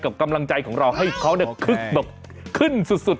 กับกำลังใจของเราให้เขาเนี่ยขึ้นสุด